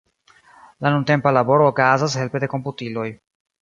La nuntempa laboro okazas helpe de komputiloj.